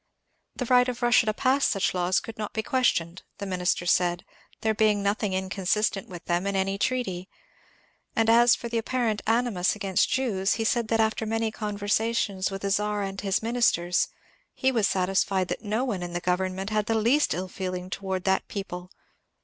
The right of Rus sia to pass such laws could not be questioned, the minister said, there being nothing inconsistent with them in any treaty. And as for the apparent animus against Jews, he said that after many conversations with the Czar and his ministers he was satisfied that no one in the government had the least ill feeling toward that people.